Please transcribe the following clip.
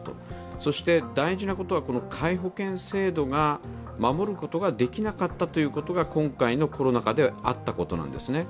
そして大事なことは皆保険制度を守ることができなかったことが今回のコロナ禍であったということなんですね。